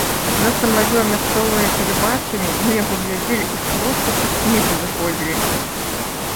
У нас там лавіла мясцовае тэлебачанне, мы яго глядзелі і проста са смеху заходзіліся.